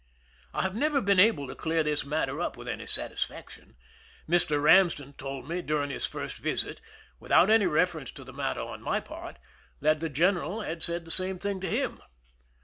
I have never been able to clear this matter up with any satisfac tion. Mr. Eamsden told me, during his first visit (without any reference to the matter on my part), that the general had said the same thing to him.